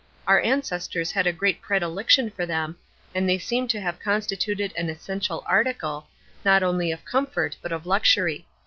Our ancestors had a great predilection for them, and they seem to have constituted an essential article, not only of comfort, but of luxury.